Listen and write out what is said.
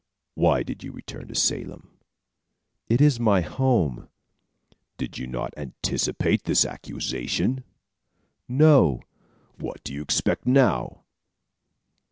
"Why did you return to Salem?" "It is my home." "Did you anticipate this accusation?" "No." "And what do you expect now?"